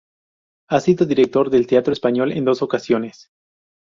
Ha sido Director del Teatro Español en dos ocasiones.